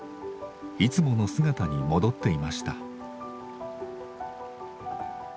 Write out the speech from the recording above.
いつもの姿に戻っていました。